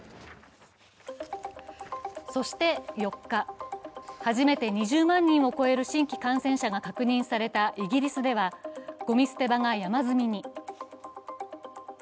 そして４日、初めて２０万人を超える新規感染者が確認されたイギリスではゴミ捨て場が山積みに。